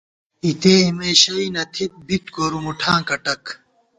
اِتےاِمےشئی نہ تھِت بِت گورُو مُٹھاں کٹَک